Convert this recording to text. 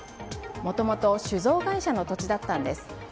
もともと酒造会社の土地だったんです。